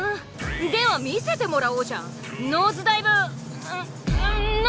では見せてもらおうじゃんノーズダイブんん何ちゃらを！